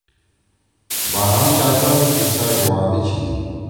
بارام شاھزدا سی قیصا ڙوا می چھی